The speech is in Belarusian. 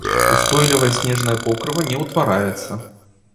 Устойлівае снежнае покрыва не ўтвараецца.